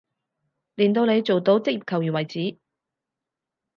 練到你做到職業球員為止